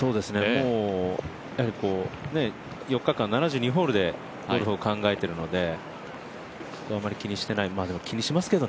もう４日間、７２ホールでゴルフを考えているのであまり気にしていない、でも気にしますけどね。